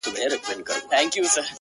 شراب ترخه ترخو ته دي؛ و موږ ته خواږه؛